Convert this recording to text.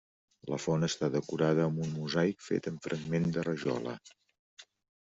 La font està decorada amb un mosaic fet amb fragments de rajola.